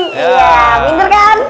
ya pintar kan